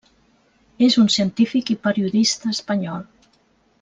És un científic i periodista espanyol.